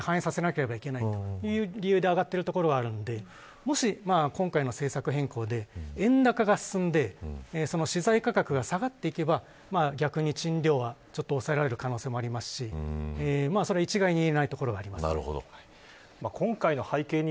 それを賃料に反映させなければいけないという理由で上がっているところがあるのでもし今回の政策変更で円高が進んで資材価格が下がっていけば逆に賃料は抑えられる可能性もありますし一概に言えないところがあります。